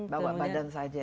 bawa badan saja